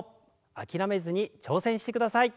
諦めずに挑戦してください。